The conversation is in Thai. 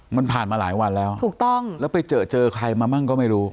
มันผ่านมาหลายวันแล้วถูกต้องแล้วไปเจอเจอใครมามั่งก็ไม่รู้